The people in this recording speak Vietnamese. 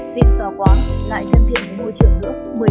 xịn xò quá lại thân thiện với môi trường nữa